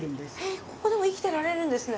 えっここでも生きてられるんですね？